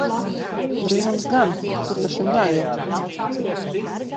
Brīnums gan! Kur ta šim jāiet!